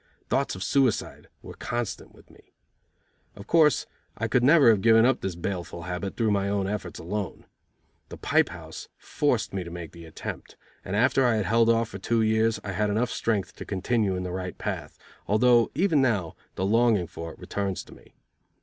Thoughts of suicide were constant with me. Of course, I could never have given up this baleful habit through my own efforts alone. The pipe house forced me to make the attempt, and after I had held off for two years, I had enough strength to continue in the right path, although even now the longing for it returns to me.